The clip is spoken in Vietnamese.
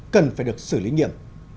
cần phải được xử lý nghiệm